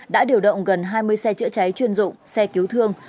đã điều động gần hai mươi xe chữa cháy chuyên dụng xe cứu thương